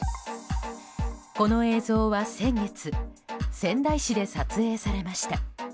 この映像は先月仙台市で撮影されました。